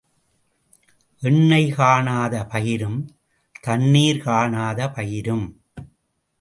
எண்ணெய் காணாத மயிரும் தண்ணீர் காணாத பயிரும்.